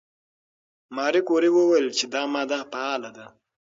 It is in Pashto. ماري کوري وویل چې دا ماده فعاله ده.